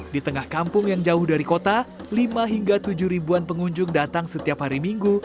di tengah kampung yang jauh dari kota lima hingga tujuh ribuan pengunjung datang setiap hari minggu